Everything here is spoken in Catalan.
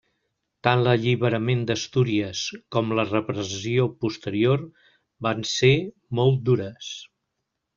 Tant l'alliberament d'Astúries com la repressió posterior van ser molt dures.